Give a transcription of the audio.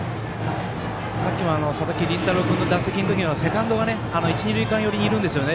さっきも佐々木麟太郎の打席のときにセカンドが一、二塁間寄りにいるんですよね。